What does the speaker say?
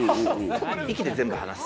息で全部話す。